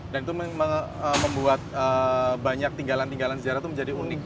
dan itu membuat banyak tinggalan tinggalan sejarah itu menjadi unik